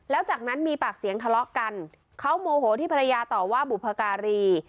แล้วจากนั้นมีปากเสียงทะเลาะกันเขาโมโหที่ภรรยาต่อว่าบุพการี